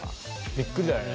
びっくりだよね。